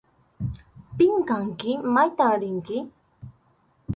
¿Pim kanki? ¿Maytam rinki?